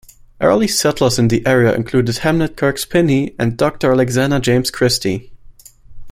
Early settlers in the area included Hamnett Kirkes Pinhey and Doctor Alexander James Christie.